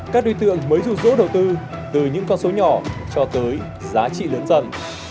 các đối tượng mới dụ dỗ đầu tư từ những con số nhỏ cho tới giá trị lớn dần